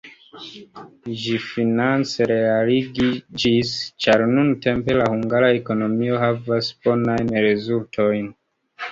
Ĝi finance realiĝis, ĉar nuntempe la hungara ekonomio havas bonajn rezultojn.